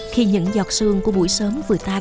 khi những giọt sương của buổi sớm vừa tan